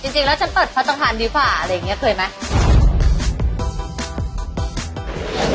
จริงแล้วฉันตดภัตรธาณที่ก็ดีกว่าคุยไหม